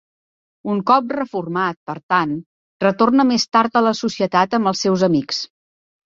Un cop reformat, per tant, retorna més tard a la societat amb els seus amics.